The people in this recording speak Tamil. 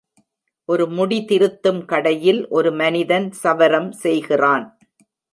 ஒரு முடிதிருத்தும் கடையில் ஒரு மனிதன் சவரம் செய்கிறான்.